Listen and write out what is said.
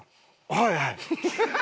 はいはい。